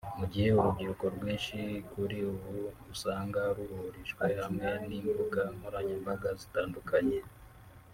mu gihe urubyiruko rwinshi kuri ubu usanga ruhurijwe hamwe n’imbuga nkoranyambaga zitandukanye